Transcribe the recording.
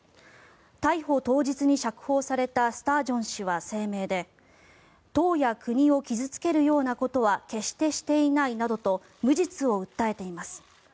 逮捕当日に釈放されたスタージョン氏は声明で党や国を傷付けるようなことは決してしていないなどと無実を訴えています。